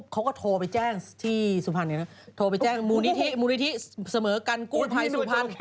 เค้าก็โทรไปแจ้งที่สุภัณฑ์โทรไปแจ้งมูลนิธิเสมอกันกู้ไพรสุภัณฑ์